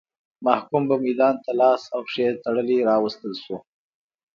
محکوم به میدان ته لاس او پښې تړلی راوستل شو.